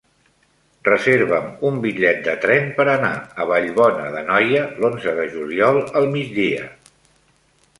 Reserva'm un bitllet de tren per anar a Vallbona d'Anoia l'onze de juliol al migdia.